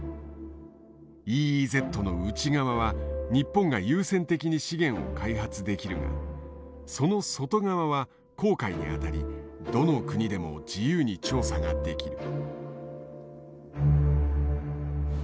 ＥＥＺの内側は日本が優先的に資源を開発できるがその外側は公海にあたりどの国でも自由に調査ができる。